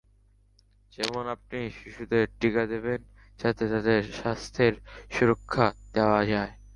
যেমন আপনি শিশুদের টিকা দেবেন, যাতে তাদের স্বাস্থ্যের সুরক্ষা দেওয়া যায়।